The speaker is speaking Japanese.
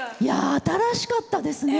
新しかったですね。